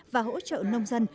và hỗ trợ nông dân